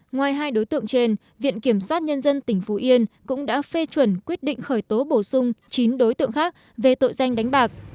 ngoài hai đối tượng trên viện kiểm sát nhân dân tỉnh phú yên cũng đã phê chuẩn quyết định khởi tố bổ sung chín đối tượng khác về tội danh đánh bạc